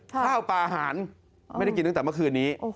ข้าวปลาอาหารไม่ได้กินตั้งแต่เมื่อคืนนี้